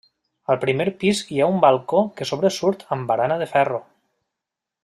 Al primer pis hi ha un balcó que sobresurt amb barana de ferro.